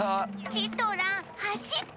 チトランはしって！